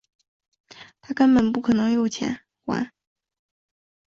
他根本不可能有钱还